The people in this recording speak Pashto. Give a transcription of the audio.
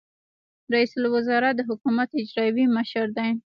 رئیس الوزرا د حکومت اجرائیوي مشر دی